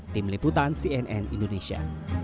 tim liputan cnn indonesia